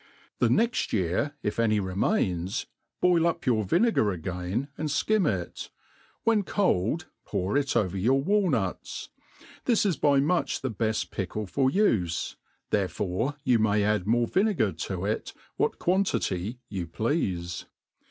The next year, If anyremains, boil up your vinegar again, .and fkim it; when cold, pour it over your walnuts. This is by much the beft pickle for ufe ; therefore you may add njore vinegar to jt, what quantity you pleafe.